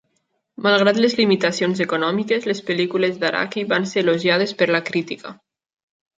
Malgrat les limitacions econòmiques, les pel·lícules d'Araki van ser elogiades per la crítica.